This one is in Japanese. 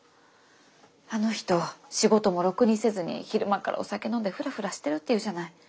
あの人仕事もろくにせずに昼間っからお酒飲んでフラフラしてるっていうじゃない。